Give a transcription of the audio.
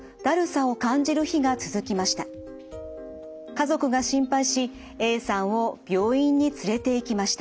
家族が心配しＡさんを病院に連れていきました。